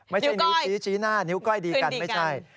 ไม่ใช่นิ้วชี้หน้านิ้วก้อยดีกันไม่ใช่